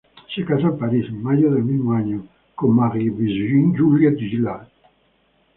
Se casa en París, en mayo del mismo año, con Marie-Virginie-Julie Gillet.